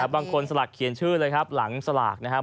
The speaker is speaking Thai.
สลักเขียนชื่อเลยครับหลังสลากนะครับ